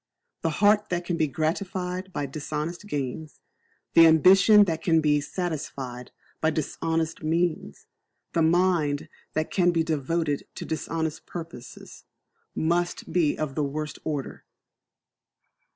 The heart that can be gratified by dishonest gains; the ambition that can be satisfied by dishonest means; the mind that can be devoted to dishonest purposes, must be of the worst order.